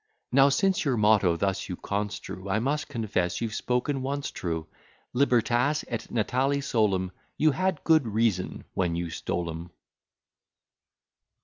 Now since your motto thus you construe, I must confess you've spoken once true. Libertas et natale solum: You had good reason when you stole 'em.